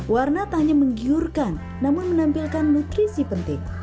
warna tak hanya menggiurkan namun menampilkan nutrisi penting